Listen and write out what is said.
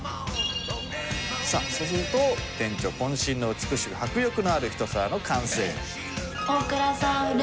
さあそうすると店長渾身の美しく迫力のある一皿の完成。